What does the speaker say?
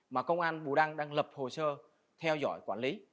mà công an bù đăng đang lập hồ sơ theo dõi quản lý